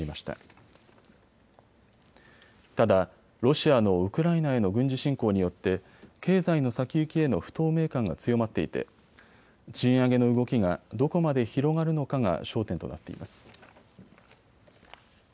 ただ、ロシアのウクライナへの軍事侵攻によって経済の先行きへの不透明感が強まっていて賃上げの動きがどこまで広がるのかが焦点となっています。